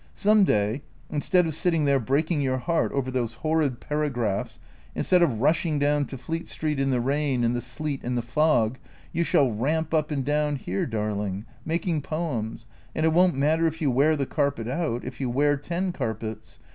Some day, instead of sitting there breaking your heart over those horrid paragraphs, instead of rushing down to Fleet Street in the rain and the sleet and tlie fog, you shall ramp up and down here, darling, making poems, and it won't matter if you wear the carpet out, if you wear ten carpets.